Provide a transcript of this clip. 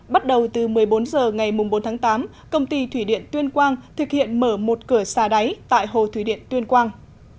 bắt đầu từ một mươi bốn h ngày bốn tháng tám công ty thủy điện tuyên quang thực hiện mở một cửa xà đáy tại hồ thủy điện tuyên quang